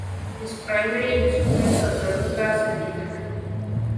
His primary instruments are double bass and guitar.